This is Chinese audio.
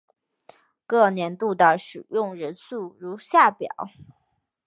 各年度的使用人数如下表。